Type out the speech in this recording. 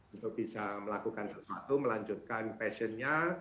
untuk bisa melakukan sesuatu melanjutkan passionnya